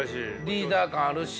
リーダー感あるし。